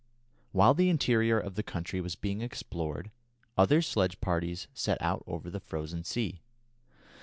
While the interior of the country was being explored, other sledge parties set out over the frozen sea.